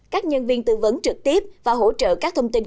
các nhân viên tư vấn trực tiếp và hỗ trợ các thông tin